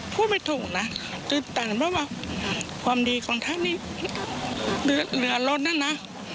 พูดไม่ถูกนะแต่เห็นว่าความดีของท่านนี่เหลือล้นนะนะ